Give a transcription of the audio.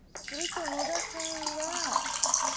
すると野田さんは。